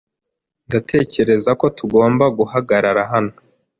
Ndatekereza ko tugomba guhagarara hano.